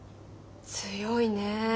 強いね。